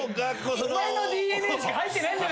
お前のＤＮＡしか入ってないんじゃ。